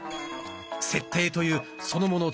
「設定」というそのもの